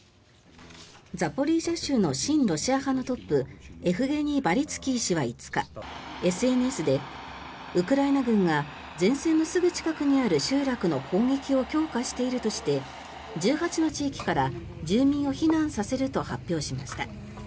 ザポリージャ州の親ロシア派のトップエフゲニー・バリツキー氏は５日ＳＮＳでウクライナ軍が前線のすぐ近くにある集落の砲撃を強化しているとして１８の地域から住民を避難させると発表しました。